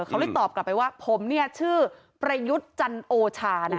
เขาเลยตอบกลับไปว่าผมเนี่ยชื่อประยุทธ์จันโอชานะ